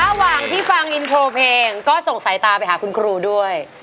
ระหว่างที่ฟังอินโทรเพลงก็ส่งสายตาไปหาคุณครูด้วย